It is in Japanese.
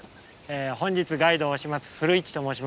本日ガイドをします古市と申します。